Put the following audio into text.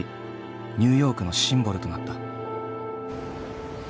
ニューヨークのシンボルとなった。